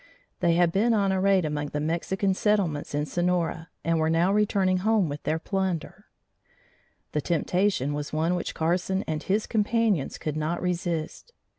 They had been on a raid among the Mexican settlements in Sonora and were now returning home with their plunder. The temptation was one which Carson and his companions could not resist.